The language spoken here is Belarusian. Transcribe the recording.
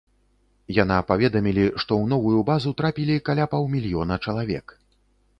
Яна паведамілі, што ў новую базу трапілі каля паўмільёна чалавек.